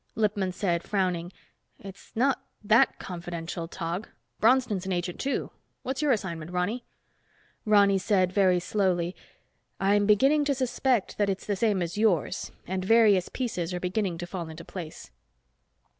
Lippman said, frowning, "It's not that confidential, Tog. Bronston's an agent, too. What's your assignment, Ronny?" Ronny said very slowly, "I'm beginning to suspect that it's the same as yours and various pieces are beginning to fall into place."